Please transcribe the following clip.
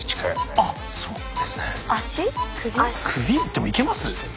でもいけます？